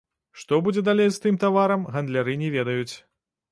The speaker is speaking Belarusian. Што будзе далей з тым таварам, гандляры не ведаюць.